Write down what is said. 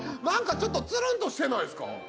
何かちょっとツルンとしてないですか？